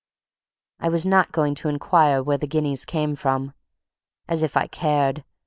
I was not going to inquire where the guineas came from. As if I cared!